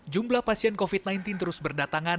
jumlah pasien covid sembilan belas terus berdatangan